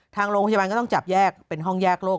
ทางโรงพยาบาลก็ต้องจับแยกเป็นห้องแยกโลก